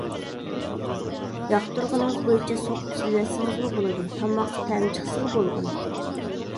ياقتۇرغىنىڭىز بويىچە سوقۇپ سېلىۋەتسىڭىزمۇ بولىدۇ، تاماققا تەمى چىقسىلا بولغىنى.